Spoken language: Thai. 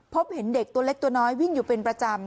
พบเห็นเด็กตัวเล็กตัวน้อยวิ่งอยู่เป็นประจำ